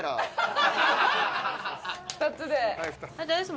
２つで。